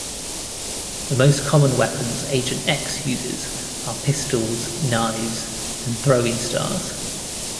The most common weapons Agent X uses are pistols, knives, and throwing stars.